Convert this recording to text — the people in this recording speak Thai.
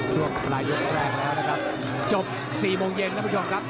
ช่วงลายยกแรกนะครับจบสี่โมงเย็นนะคุณผู้ชมครับ